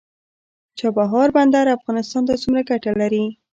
چابهار بندر افغانستان ته څومره ګټه لري؟